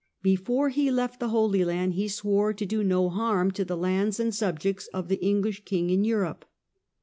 Before he left the Holy Land he swore to do no harm to the lands and subjects of the English king in Europe.